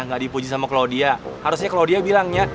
nggak dipuji sama claudia harusnya claudia bilangnya